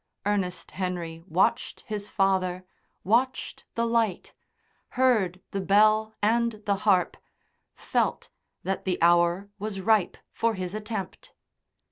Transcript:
Ernest Henry watched his father, watched the light, heard the bell and the harp, felt that the hour was ripe for his attempt.